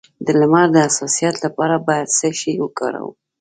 د لمر د حساسیت لپاره باید څه شی وکاروم؟